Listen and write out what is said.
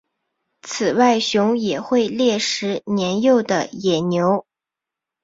此外熊也会猎食年幼的野牛。